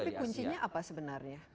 tapi kuncinya apa sebenarnya